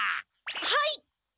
はい！